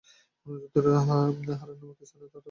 হারান নামক স্থানে তারা অবতরণ করেন।